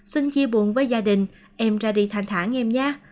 xin chia buồn với gia đình em ra đi thanh thản em nha